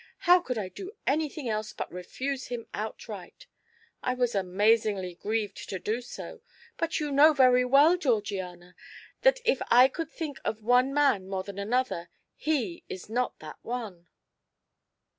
How could I do anything else but refuse him outright? I was amazingly grieved to do so, but you know very well, Georgiana, that if I could think of one man more than another, he is not that one."